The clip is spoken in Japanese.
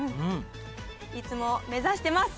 いつも目指してます！